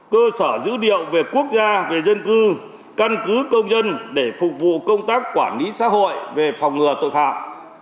cơ sở dữ liệu về quốc gia về dân cư căn cứ công dân để phục vụ công tác quản lý xã hội về phòng ngừa tội phạm